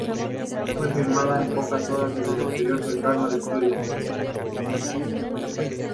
Fue filmada en pocas horas en exterior cercano al estudio.